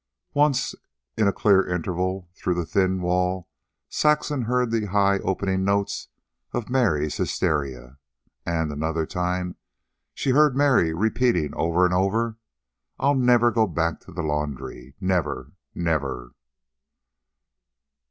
Once, in a clear interval, through the thin wall Saxon heard the high opening notes of Mary's hysteria. And, another time, she heard Mary repeating over and over. "I'll never go back to the laundry. Never. Never."